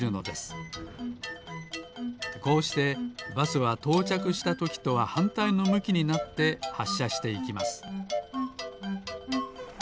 こうしてバスはとうちゃくしたときとははんたいのむきになってはっしゃしていきます。